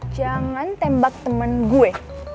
jangan tembak temen gue